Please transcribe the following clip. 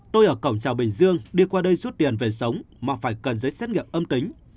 tôi ở cổng trào bình dương đi qua đây rút tiền về sống mà phải cần giấy xét nghiệm âm tính